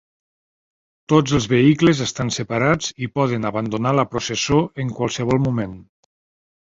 Tots els vehicles estan separats i poden abandonar la processó en qualsevol moment.